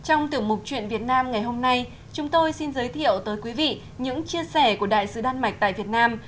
trong tiểu mục chuyện việt nam ngày hôm nay chúng tôi xin giới thiệu tới quý vị những chia sẻ của đại sứ đan mạch tại việt nam